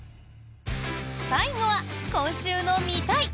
最後は、今週の見たい！